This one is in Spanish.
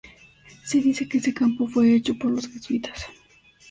Se dice que ese campo fue hecho por los Jesuitas.